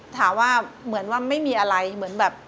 ถามว่าเหมือนว่าไม่มีอะไรเหมือนแบบ